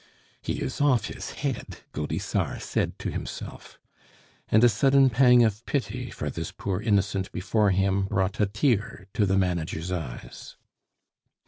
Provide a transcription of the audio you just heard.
"He is off his head," Gaudissart said to himself. And a sudden pang of pity for this poor innocent before him brought a tear to the manager's eyes.